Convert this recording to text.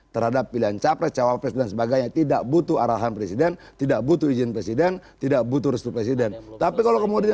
terhadap pilihan capres cawapres dan sebagainya tidak butuh ada yang berdiri di dalam keputusan politik kami